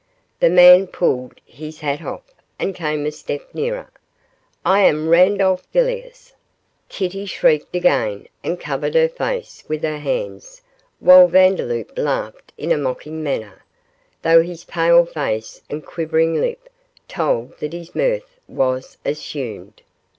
The man pulled his hat off and came a step nearer. 'I am Randolph Villiers!' Kitty shrieked again and covered her face with her hands, while Vandeloup laughed in a mocking manner, though his pale face and quivering lip told that his mirth was assumed.